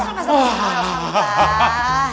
masalah masalah masalah masalah masalah